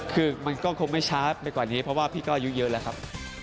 คือมันก็คงไม่ช้าไปกว่านี้เพราะว่าพี่ก็อายุเยอะแล้วครับ